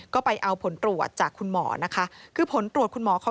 ก็ไปเอาผลตรวจจากคุณหมอนะคะ